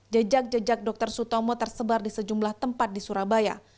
jejak jejak dr sutomo tersebar di sejumlah tempat di surabaya